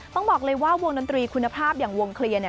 ต้องบอกเลยว่าวงดนตรีคุณภาพอย่างวงเคลียร์